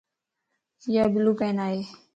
ايا بلو پين ائي.